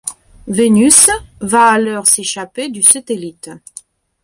Vénus va alors s'échapper du satellite.